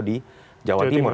di jawa timur